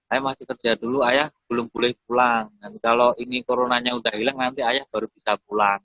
saya masih kerja dulu ayah belum boleh pulang kalau ini coronanya udah hilang nanti ayah baru bisa pulang